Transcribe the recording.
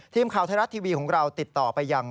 ทีมข่าวไทยรัฐทีวีของเราติดต่อไปยัง